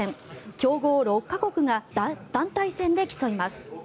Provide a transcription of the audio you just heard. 強豪６か国が団体戦で競います。